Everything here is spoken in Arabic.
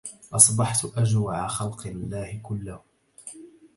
أصبحت أجوع خلق الله كلهم